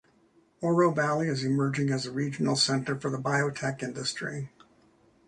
Oro Valley is emerging as a regional center for the biotech industry.